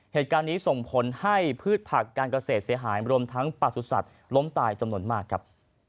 เหตุการณ์นี้ส่งผลให้พืชผักการเกษตรเสียหายรวมทั้งประสุทธิ์ล้มตายจำนวนมากครับ